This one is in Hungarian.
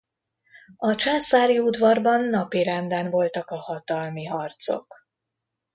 A császári udvarban napirenden voltak a hatalmi harcok.